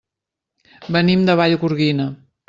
Venim de Vallgorguina.